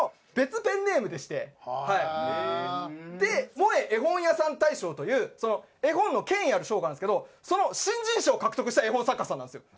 ＭＯＥ絵本屋さん大賞という絵本の権威ある賞があるんですけどその新人賞を獲得した絵本作家さんなんですよ。